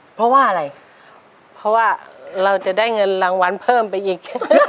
เพราะว่าอะไรเพราะว่าเราจะได้เงินรางวัลเพิ่มไปอีกใช่ไหม